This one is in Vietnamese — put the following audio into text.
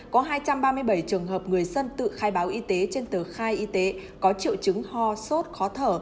có hai trăm ba mươi bảy trường hợp người dân tự khai báo y tế trên tờ khai y tế có triệu chứng ho sốt khó thở